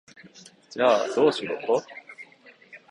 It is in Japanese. じゃあ、どうしろと？